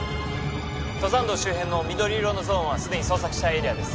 登山道周辺の緑色のゾーンはすでに捜索したエリアです